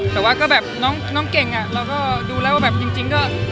แต่ว่าก็แบบน้องเก่งเราก็ดูแล้วว่าแบบจริงก็